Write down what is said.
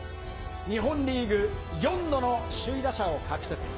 日本リーグ、４度の首位打者を獲得。